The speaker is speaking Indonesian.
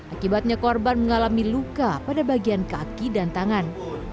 akibatnya korban mengalami luka pada bagian kaki dan tangan